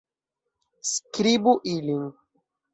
Skribu ilin.